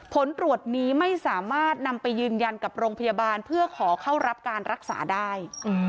ผลตรวจนี้ไม่สามารถนำไปยืนยันกับโรงพยาบาลเพื่อขอเข้ารับการรักษาได้